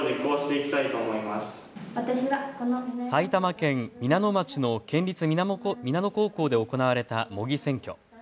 埼玉県皆野町の県立皆野高校で行われた模擬選挙。